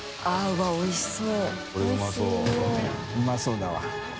わぁおいしそう。